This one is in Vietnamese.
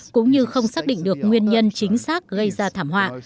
cũng như không xác định được nguyên nhân chính xác gây ra thảm họa